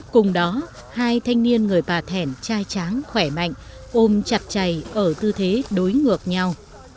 cùng đó hai thanh niên người bà thẻn trai tráng khỏe mạnh ôm chặt chày ở tư thế đối ngược nhau